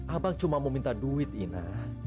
abang cuma mau minta duit ina